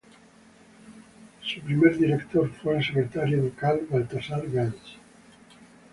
Su primer director fue el secretario ducal Balthasar Gans.